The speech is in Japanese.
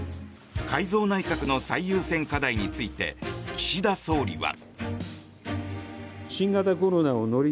改造内閣の最優先課題について岸田総理は。